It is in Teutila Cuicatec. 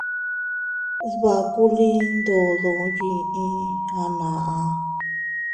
Dbakuliin ndodo yiʼi a naan.